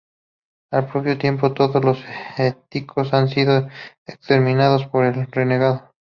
Al propio tiempo, todos los Éticos han sido exterminados por el renegado.